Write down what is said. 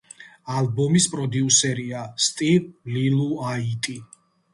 ალბომის პროდიუსერია სტივ ლილიუაიტი.